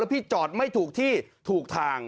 พี่จอดไม่ถูกที่ถูกทาง